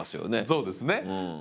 そうですね。